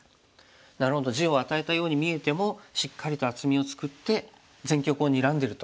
なるほど地を与えたように見えてもしっかりと厚みを作って全局をにらんでるということですね。